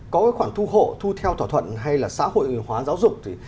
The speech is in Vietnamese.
có khoản thu hộ thu theo thỏa thuận hay là xã hội hóa giáo dục